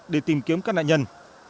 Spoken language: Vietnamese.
để tìm kiếm các nạn nhân